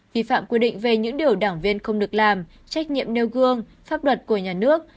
vi phạm quy định về những điều đảng viên không được làm trách nhiệm nêu gương pháp luật của nhà nước